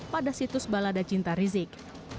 pada situs balada cinta rizik